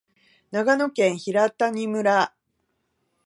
長野県平谷村